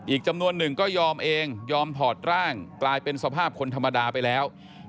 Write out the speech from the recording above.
อีกจำนวนหนึ่งก็ยอมเองยอมถอดร่างกลายเป็นสภาพคนธรรมดาไปแล้ว